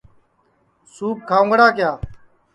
سُوپ کھاؤنگڑا کِیا